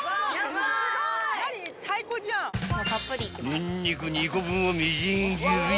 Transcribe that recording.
［ニンニク２個分をみじん切り］